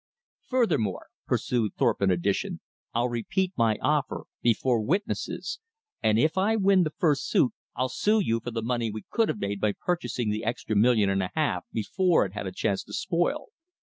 "Furthermore," pursued Thorpe in addition, "I'll repeat my offer before witnesses; and if I win the first suit, I'll sue you for the money we could have made by purchasing the extra million and a half before it had a chance to spoil."